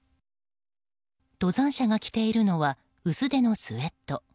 登山者が着ているのは薄手のスウェット。